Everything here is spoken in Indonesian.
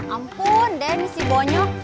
ampun deh ini si bonyo